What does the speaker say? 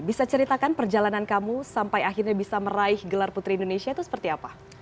bisa ceritakan perjalanan kamu sampai akhirnya bisa meraih gelar putri indonesia itu seperti apa